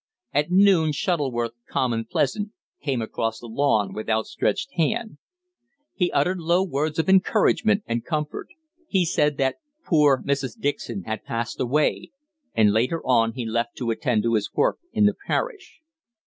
At noon Shuttleworth, calm and pleasant, came across the lawn with outstretched hand. He uttered low words of encouragement and comfort. He said that poor Mrs. Dixon had passed away, and later on he left to attend to his work in the parish.